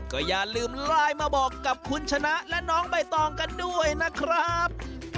ก็อย่าลืมไลน์มาบอกกับคุณชนะและน้องใบตองกันด้วยนะครับ